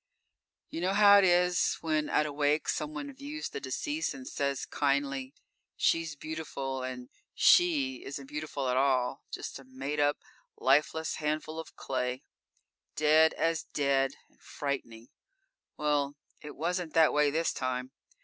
You know how it is when at a wake someone views the deceased and says kindly, "She's beautiful," and "she" isn't beautiful at all; just a made up, lifeless handful of clay. Dead as dead, and frightening. Well, it wasn't that way this time.